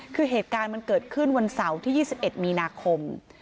คือเหตุการณ์มันเกิดขึ้นวันเสาร์ที่๒๑มีนาคม